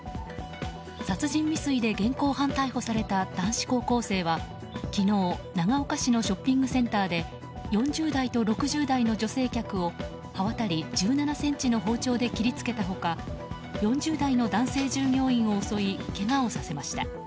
殺人未遂で現行犯逮捕された男子高校生は昨日、長岡市のショッピングセンターで４０代と６０代の女性客を刃渡り１７ｃｍの包丁で切り付けた他４０代の男性従業員を襲いけがをさせました。